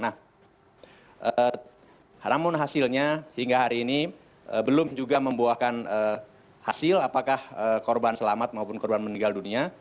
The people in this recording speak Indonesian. nah namun hasilnya hingga hari ini belum juga membuahkan hasil apakah korban selamat maupun korban meninggal dunia